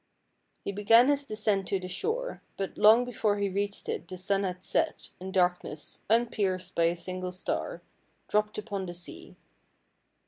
He began his descent to the shore, but long before he reached it the sun had set, and dark ness, unpierced by a single star, dropped upon the sea.